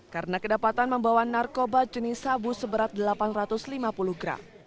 karena kedapatan membawa narkoba jenis sabu seberat delapan ratus lima puluh gram